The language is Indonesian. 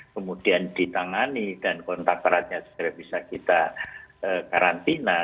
kemudian ditangani dan kontakteratnya secara bisa kita karantina